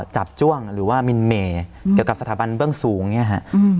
จ้วงหรือว่ามินเมเกี่ยวกับสถาบันเบื้องสูงอย่างนี้ฮะ